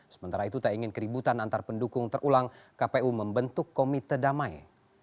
sementara itu tak ingin keributan antar pendukung terulang kpu membentuk komite damai